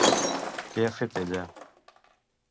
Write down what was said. Què ha fet ella?